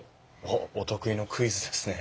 おっお得意のクイズですね。